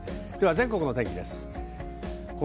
全国の天気です。